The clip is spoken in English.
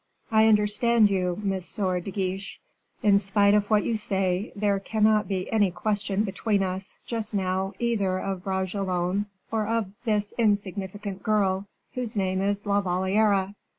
"I understand you, Monsieur de Guiche. In spite of what you say, there cannot be any question between us, just now, either of Bragelonne or of this insignificant girl, whose name is La Valliere."